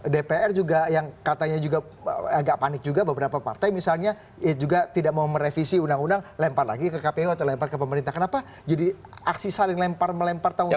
dpr juga yang katanya juga agak panik juga beberapa partai misalnya juga tidak mau merevisi undang undang lempar lagi ke kpu atau lempar ke pemerintah kenapa jadi aksi saling lempar melempar tanggung jawab